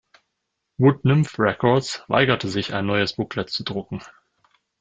Wood-Nymph Records weigerte sich, ein neues Booklet zu drucken.